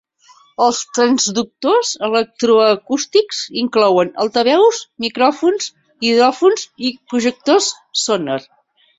Els transductors electroacústics inclouen altaveus, micròfons, hidròfons i projectors sonar.